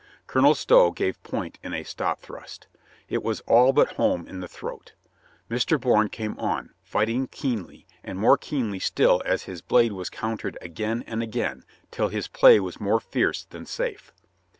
Colonel Stow gave point in a stop thrust. It was all but home in the throat. Mr. Bourne came on, fighting keenly, and more keenly still as his blade was countered again and again, till his play was more fierce than safe.